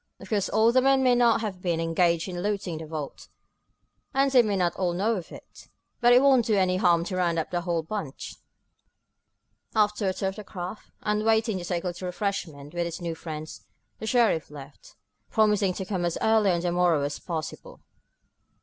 Of course all the men there may not have been engaged in looting the vault, and they may not all know of it, but it won't do any harm to round up the whole bunch." After a tour of the craft, and waiting to take a little refreshment with his new friends, the sheriff left, promising to come as early on the morrow as possible.